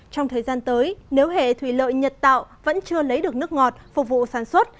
trong thời gian tới nếu hệ thủy lợi nhật tạo vẫn chưa lấy được nước ngọt phục vụ sản xuất